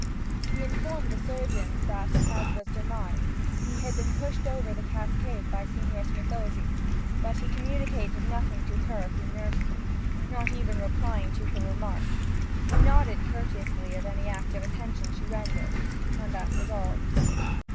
He informed the surgeons that, as was surmised, he had been pushed over the cascade by Signor Smithozzi; but he communicated nothing to her who nursed him, not even replying to her remarks; he nodded courteously at any act of attention she rendered, and that was all.